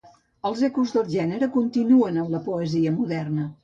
Els ecos del gènere continuen en la poesia moderna.